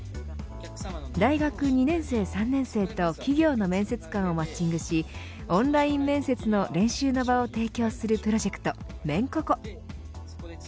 大学２年生、３年生で企業の面接官をマッチングしオンライン面接の練習の場を提供するプロジェクトメンココ。